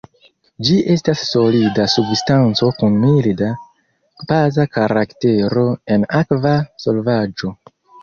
Ĝi estas solida substanco kun milda baza karaktero en akva solvaĵo.